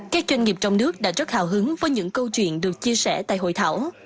các doanh nghiệp trong nước đã rất hào hứng với những câu chuyện được chia sẻ tại hội thảo